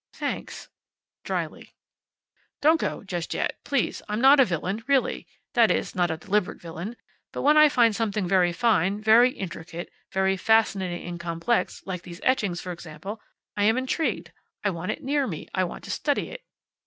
"Thanks," dryly. "Don't go just yet. Please. I'm not a villain. Really. That is, not a deliberate villain. But when I find something very fine, very intricate, very fascinating and complex like those etchings, for example I am intrigued. I want it near me. I want to study it."